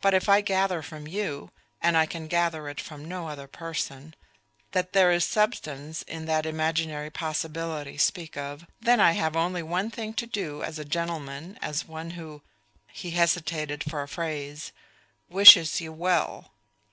But if I gather from you and I can gather it from no other person that there is substance in that imaginary possibility I speak of, then I have only one thing to do as a gentleman and as one who" he hesitated for a phrase "wishes you well.